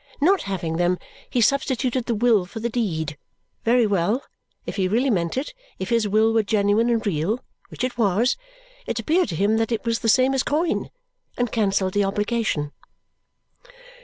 Not having them, he substituted the will for the deed. Very well! If he really meant it if his will were genuine and real, which it was it appeared to him that it was the same as coin, and cancelled the obligation.